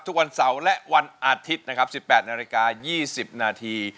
ทุกวันเสาร์และวันอาทิตย์นะครับ๑๘นาฬิกา๒๐นาที